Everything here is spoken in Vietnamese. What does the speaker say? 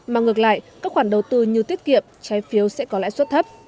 mà ngược lại các khoản đầu tư như tiết kiệm trái phiếu sẽ có lãi suất thấp